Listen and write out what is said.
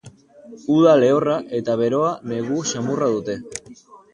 Uda lehorra eta beroa eta negu xamurra dute.